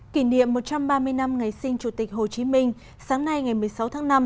kỷ niệm một trăm ba mươi năm ngày sinh chủ tịch hồ chí minh sáng nay ngày một mươi sáu tháng năm